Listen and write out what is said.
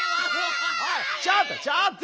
ちょっとちょっと！